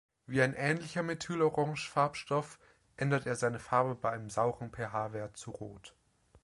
Wie ein ähnlicher Methylorange-Farbstoff ändert er seine Farbe bei einem sauren pH-Wert zu Rot.